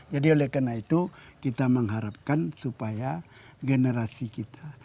jadi oleh karena itu kita mengharapkan supaya generasi kita